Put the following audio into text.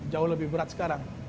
jauh lebih berat sekarang